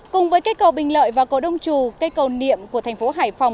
cùng với cây cầu bình lợi và cầu đông trù cây cầu niệm của thành phố hải phòng